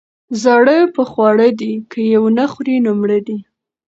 ـ زاړه په خواړه دي، که يې ونخوري نو مړه دي.